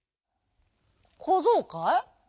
「こぞうかい？